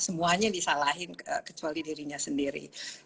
semuanya disalahin kecuali dirinya sendiri